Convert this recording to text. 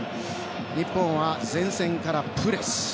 日本は前線からプレス。